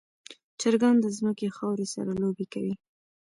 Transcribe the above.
چرګان د ځمکې خاورې سره لوبې کوي.